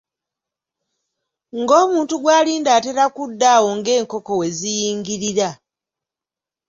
Ng'omuntu gw’alinda atera kudda awo ng'enkoko we ziyingirira.